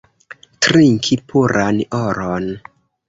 Trinki puran oron!